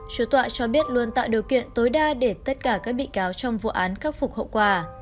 chủ tọa cho biết luôn tạo điều kiện tối đa để tất cả các bị cáo trong vụ án khắc phục hậu quả